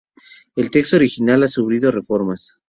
El texto original ha sufrido reformas.